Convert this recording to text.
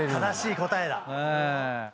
正しい答えだ。